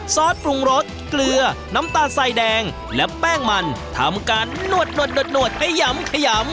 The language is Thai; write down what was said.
ซอสปรุงรสเกลือน้ำตาลใส่แดงและแป้งมันทำการนวดขยำขยำ